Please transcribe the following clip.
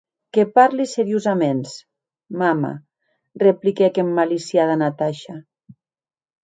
Que parli seriosaments, mama, repliquèc emmaliciada Natasha.